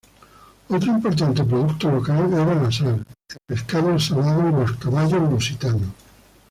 Otro importante producto local era la sal, el pescado salado y los caballos lusitanos.